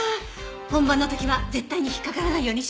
本番の時は絶対に引っ掛からないようにします。